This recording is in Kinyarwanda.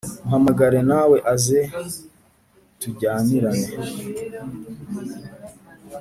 muhamagare nawe aze tujyanirane”